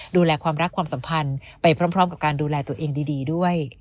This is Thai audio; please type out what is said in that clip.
ดูแลความรักความสัมพันธ์ไปพร้อมกับการดูแลตัวเองดีด้วย